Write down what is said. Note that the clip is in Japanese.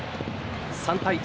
３対１。